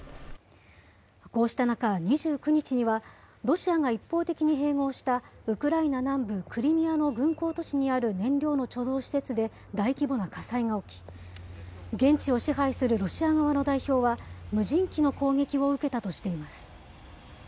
こうした中、２９日にはロシアが一方的に併合したウクライナ南部クリミアの軍港都市にある燃料の貯蔵施設で大規模な火災が起き、現地を支配するロシア側の代表は、無人機の攻撃を受けたとしています。